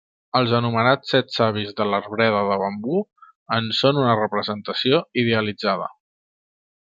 Els anomenats 'Set Savis de l'Arbreda de Bambú' en són una representació idealitzada.